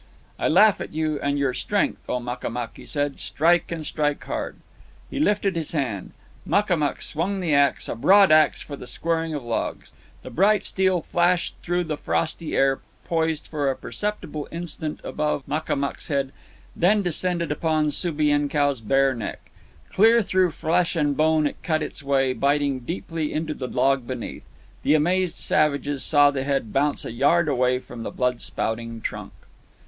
"I laugh at you and your strength, O Makamuk," he said. "Strike, and strike hard." He lifted his hand. Makamuk swung the axe, a broadaxe for the squaring of logs. The bright steel flashed through the frosty air, poised for a perceptible instant above Makamuk's head, then descended upon Subienkow's bare neck. Clear through flesh and bone it cut its way, biting deeply into the log beneath. The amazed savages saw the head bounce a yard away from the blood spouting trunk.